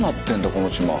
この島。